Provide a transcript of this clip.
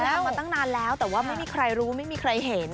มาตั้งนานแล้วแต่ว่าไม่มีใครรู้ไม่มีใครเห็น